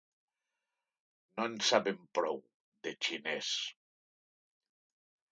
No en sabem prou, de xinès.